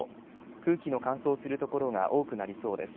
空気の乾燥する所が多くなりそうです。